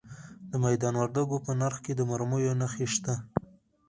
د میدان وردګو په نرخ کې د مرمرو نښې شته.